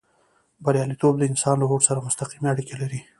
برياليتوب د انسان له هوډ سره مستقيمې اړيکې لري.